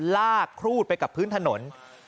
ลากครูดไปกับพื้นถนน